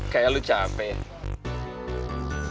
kayak lu capek